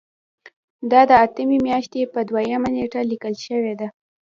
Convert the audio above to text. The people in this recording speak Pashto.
دا د اتمې میاشتې په دویمه نیټه لیکل شوې ده.